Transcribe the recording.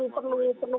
ini jadi memang perlu